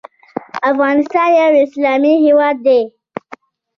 افغانستان یو اسلامي هیواد دی